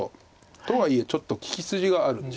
とはいえちょっと利き筋があるんです。